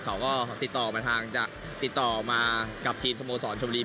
เขาก็ติดต่อมาทางจะติดต่อมากับทีมสโมสรชมบุรี